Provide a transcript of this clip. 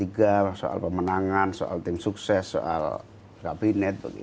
sharing power point soal pemenangan soal tim sukses soal kabinet